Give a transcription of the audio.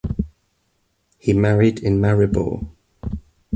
He married in Maribor.